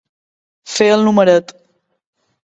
Fer el numeret.